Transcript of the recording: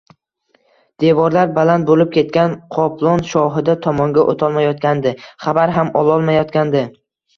Devorlar baland bo‘lib ketgan, Qoplon Shohida tomonga o‘tolmayotgandi, xabar ham ololmayotgandi